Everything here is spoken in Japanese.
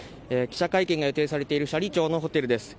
記者会見が予定されている斜里町のホテルです。